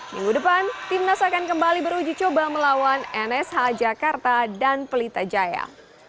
minggu depan timnas akan kembali beruji coba melawan nsh jakarta dan pelita jaya